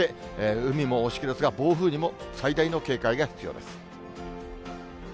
海も大しけですが、暴風にも最大の警戒が必要です。